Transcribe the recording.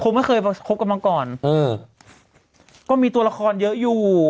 ไม่เคยคบกันมาก่อนเออก็มีตัวละครเยอะอยู่